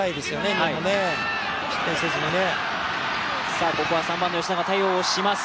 日本、失点せずにね。